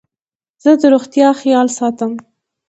زه د روغتیا خیال ساتم.